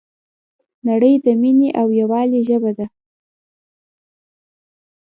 نړۍ د مینې او یووالي ژبه ده.